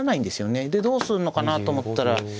でどうすんのかなと思ったらここですか。